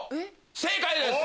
正解です。